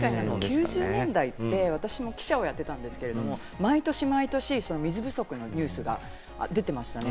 ９０年代って私も記者をやっていたんですけれど、毎年、水不足のニュースが出てましたね。